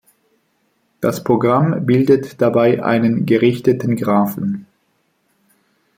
Das Programm bildet dabei einen gerichteten Graphen.